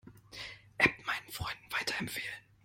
App meinen Freunden weiterempfehlen.